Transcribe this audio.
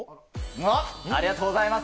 ありがとうございます。